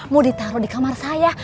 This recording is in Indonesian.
mau ditaruh di kamar saya